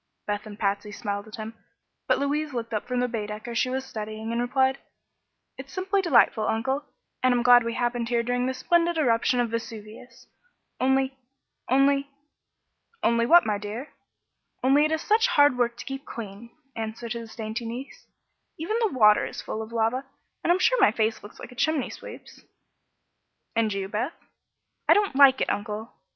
Beth and Patsy smiled at him, but Louise looked up from the Baedecker she was studying and replied: "It's simply delightful, Uncle, and I'm glad we happened here during this splendid eruption of Vesuvius. Only only " "Only what, my dear?" "Only it is such hard work to keep clean," answered his dainty niece. "Even the water is full of lava, and I'm sure my face looks like a chimney sweep's." "And you, Beth?" "I don't like it, Uncle.